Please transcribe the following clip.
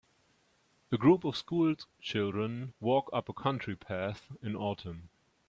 A group of school children walk up a country path in autumn